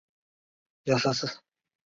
经纪公司隶属于。